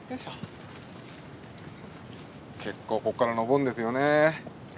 結構ここから登るんですよね。